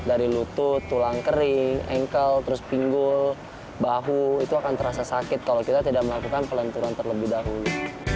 dari lutut tulang kering engkel terus pinggul bahu itu akan terasa sakit kalau kita tidak melakukan pelenturan terlebih dahulu